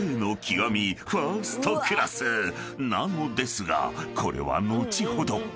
［なのですがこれは後ほど］